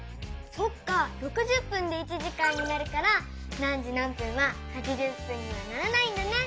そっか６０分で１時間になるから何時何分は８０分にはならないんだね。